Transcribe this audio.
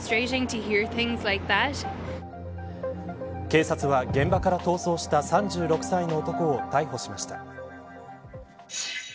警察は現場から逃走した３６歳の男を逮捕しました。